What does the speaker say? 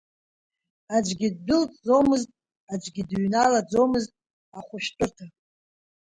Аӡәгьы ддәылҵӡомызт, аӡәгьы дыҩналаӡомызт ахәышәтәырҭа.